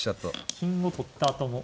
金を取ったあとも。